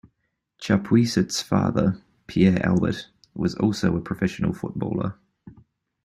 Chapuisat's father, Pierre-Albert, was also a professional footballer.